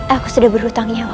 aku sudah berhutang nyawa